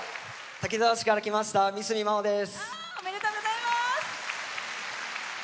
滝沢市から来ましたみすみです。